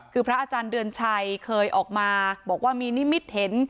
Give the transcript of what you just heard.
คือพระอาจารย์เดือนชัยเคยออกมาบอกว่ามีนิมิตเห็น